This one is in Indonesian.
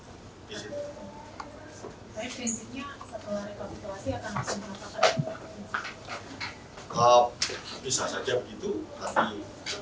kalau begitu ada kemungkinan walaupun selesai rekapitulasi besok